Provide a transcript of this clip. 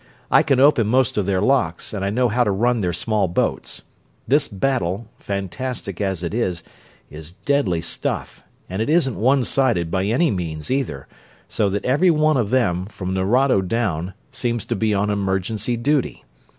I can open most of their locks, and I know how to run their small boats. This battle, fantastic as it is, is deadly stuff, and it isn't one sided, by any means, either, so that every one of them, from Nerado down, seems to be on emergency duty.